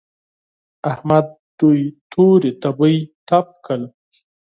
احمد دوی تورې تبې تپ کړل.